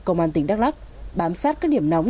công an tỉnh đắk lắc bám sát các điểm nóng